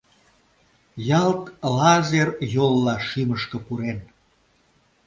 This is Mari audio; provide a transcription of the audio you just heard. Ялт лазер йолла шӱмышкӧ пурен.